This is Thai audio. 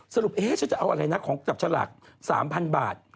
เอ๊ะฉันจะเอาอะไรนะของจับฉลาก๓๐๐บาท